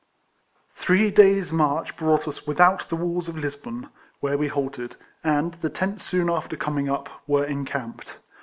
Three days' march brought us without the walls of Lisbon, where we halted, and, the tents soon after coming up, were en camped.